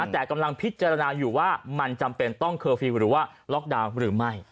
แต่กำลังพิจารณาอยู่ว่ามันจำเป็นต้องเคอร์ฟิลล์หรือว่าล็อกดาวน์หรือไม่